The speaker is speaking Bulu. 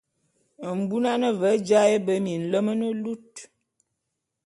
Mbunan ve jaé be minlem ne lut.